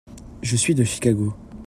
Je suis de Chicago.